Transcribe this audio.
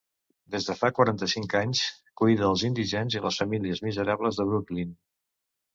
Des de fa quaranta-cinc anys cuida els indigents i les famílies miserables de Brooklyn.